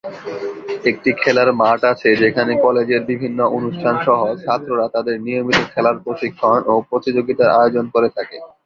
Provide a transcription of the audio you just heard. একটি খেলার মাঠ আছে যেখানে কলেজের বিভিন্ন অনুষ্ঠান সহ ছাত্ররা তাদের নিয়মিত খেলার প্রশিক্ষণ ও প্রতিযোগিতার আয়োজন করে থাকে।